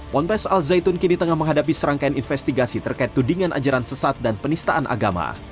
ponpes al zaitun kini tengah menghadapi serangkaian investigasi terkait tudingan ajaran sesat dan penistaan agama